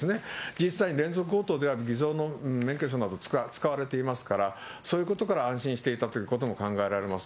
実際に連続強盗では、偽造の免許証など使われていますから、そういうことから安心していたということも考えられます。